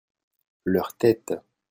leurs têtes.